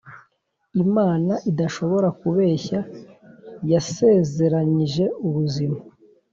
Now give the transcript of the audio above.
Imana idashobora kubeshya yasezeranyije ubuzima